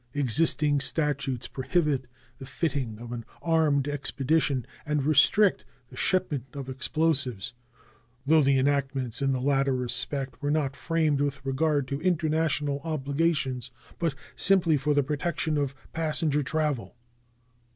Existing statutes prohibit the fitting out of armed expeditions and restrict the shipment of explosives, though the enactments in the latter respect were not framed with regard to international obligations, but simply for the protection of passenger travel.